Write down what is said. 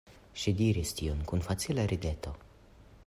Ŝi diris tion kun facila rideto.